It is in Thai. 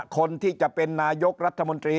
คนที่จะเป็นนายกรัฐมนตรี